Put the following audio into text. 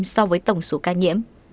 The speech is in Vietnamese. so với tổng số ca nhiễm